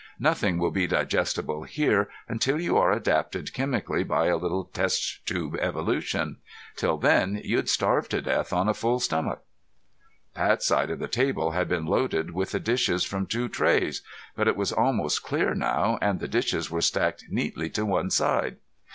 Nothing will be digestible here until you are adapted chemically by a little test tube evolution. Till then you'd starve to death on a full stomach." Pat's side of the table had been loaded with the dishes from two trays, but it was almost clear now and the dishes were stacked neatly to one side.